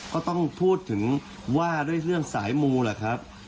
ก็ต้องพูดถึงว่าด้วยเรื่องสายมูแหละครับ